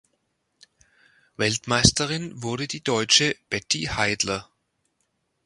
Weltmeisterin wurde die Deutsche Betty Heidler.